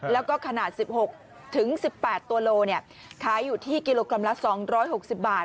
แล้วก็ขนาด๑๖๑๘ตัวโลขายอยู่ที่กิโลกรัมละ๒๖๐บาท